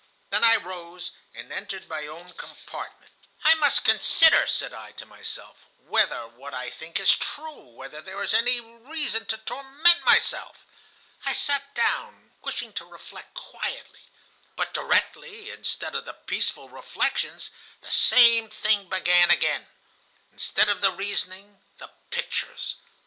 Then I rose and entered my own compartment. "'I must consider,' said I to myself, 'whether what I think is true, whether there is any reason to torment myself.' I sat down, wishing to reflect quietly; but directly, instead of the peaceful reflections, the same thing began again. Instead of the reasoning, the pictures.